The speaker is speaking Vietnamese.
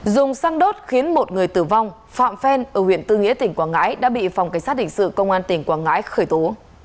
dùng xăng đốt khiến một người tử vong phạm phen ở huyện tư nghĩa tỉnh quảng ngãi đã bị phòng cảnh sát hình sự công an tỉnh quảng ngãi khởi tố